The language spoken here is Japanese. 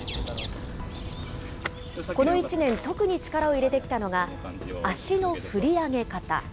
この１年、特に力を入れてきたのが、足の振り上げ方。